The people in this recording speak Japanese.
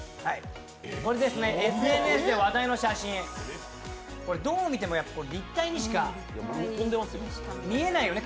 ＳＮＳで話題の写真、どう見ても立体にしか見えないよね。